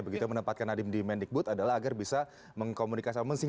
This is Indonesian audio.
begitu menempatkan adim di mendikbud adalah agar bisa mengkomunikasi